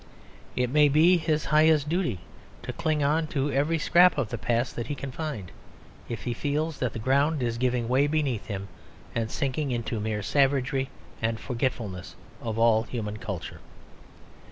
It may be his highest duty to cling on to every scrap of the past that he can find, if he feels that the ground is giving way beneath him and sinking into mere savagery and forgetfulness of all human culture.